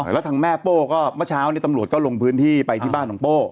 แล้วทางแม่โป้ก็เมื่อเช้านี้ตำรวจก็ลงพื้นที่ไปที่บ้านของโป้